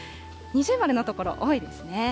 二重丸の所、多いですね。